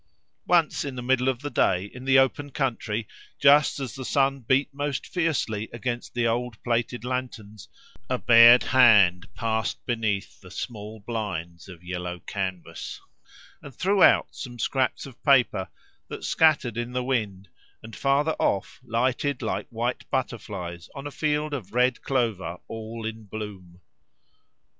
Once in the middle of the day, in the open country, just as the sun beat most fiercely against the old plated lanterns, a bared hand passed beneath the small blinds of yellow canvas, and threw out some scraps of paper that scattered in the wind, and farther off lighted like white butterflies on a field of red clover all in bloom.